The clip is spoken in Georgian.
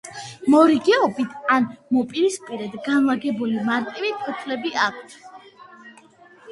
მორიგეობით ან მოპირისპირედ განლაგებული მარტივი ფოთლები აქვთ.